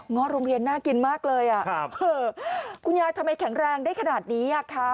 ้อโรงเรียนน่ากินมากเลยอ่ะครับคุณยายทำไมแข็งแรงได้ขนาดนี้อ่ะคะ